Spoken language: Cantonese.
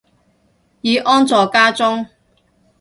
已安坐家中